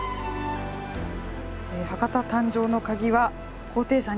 「博多誕生のカギは“高低差”にあり」。